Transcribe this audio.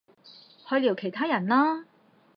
去聊其他人啦